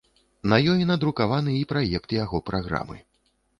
На ёй надрукаваны і праект яго праграмы.